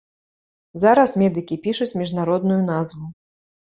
Зараз медыкі пішуць міжнародную назву.